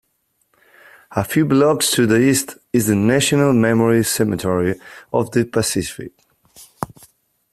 A few blocks to the east is the National Memorial Cemetery of the Pacific.